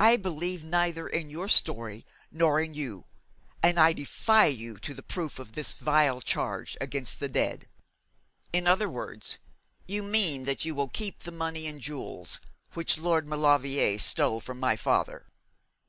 I believe neither in your story nor in you, and I defy you to the proof of this vile charge against the dead!' 'In other words you mean that you will keep the money and jewels which Lord Maulevrier stole from my father?'